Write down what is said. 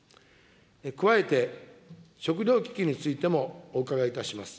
加えて、食料危機についてもお伺いいたします。